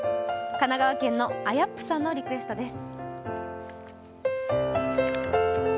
神奈川県のあやっぷさんのリクエストです。